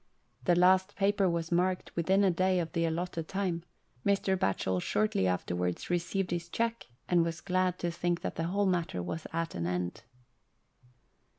The last paper was marked within a day of the allotted time, Mr. Batchel shortly afterwards received his cheque, and was glad to think that the whole matter was at an end.